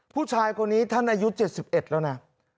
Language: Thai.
ผู้ชายคนนี้ท่านอายุ๗๑แล้วนะ